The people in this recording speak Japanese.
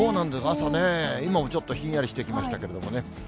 朝ね、今もちょっとひんやりしてきましたけれどもね。